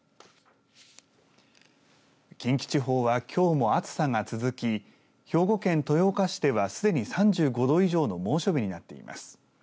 近畿地方は、きょうも暑さが続き兵庫県豊岡市ではすでに３５度以上の猛暑日になっています。